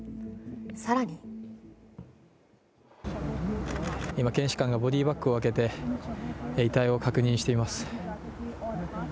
更に今、検視官がボディーバッグを開けて遺体を確認しています。